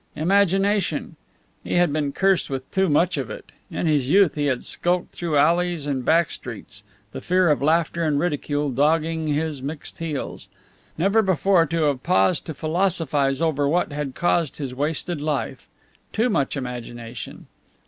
Imagination! He had been cursed with too much of it. In his youth he had skulked through alleys and back streets the fear of laughter and ridicule dogging his mixed heels. Never before to have paused to philosophize over what had caused his wasted life! Too much imagination!